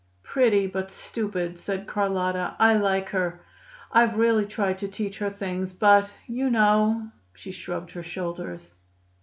"Pretty, but stupid," said Carlotta. "I like her. I've really tried to teach her things, but you know " She shrugged her shoulders.